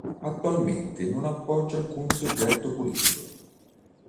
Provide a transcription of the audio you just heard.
Attualmente non appoggia alcun soggetto politico.